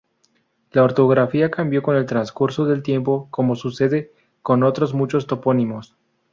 La ortografía cambió con el transcurso del tiempo como sucede con otros muchos topónimos.